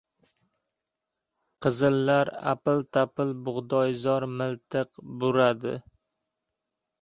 Qizillar apil-tapil bug‘doyzor miltiq buradi.